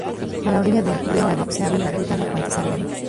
A la orilla del río Ebro, se abre la gruta de Fuente Sagredo.